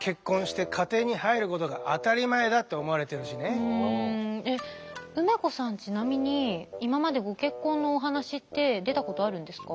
この国では梅子さんちなみに今までご結婚のお話って出たことあるんですか？